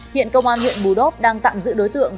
hiện công an huyện bù đốp đang tạm giữ đối tượng